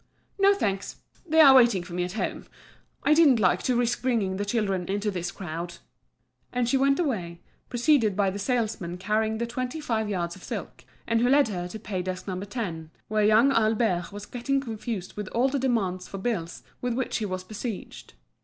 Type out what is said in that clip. "No, thanks; they are waiting for me at home. I didn't like to risk bringing the children into this crowd." And she went away, preceded by the salesman carrying the twenty five yards of silk, and who led her to pay desk No. 10, where young Albert was getting confused with all the demands for bills with which he was besieged.